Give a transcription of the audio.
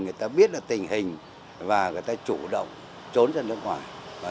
người ta biết là tình hình và người ta chủ động trốn ra nước ngoài